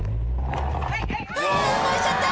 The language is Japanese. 「あぁ動いちゃった！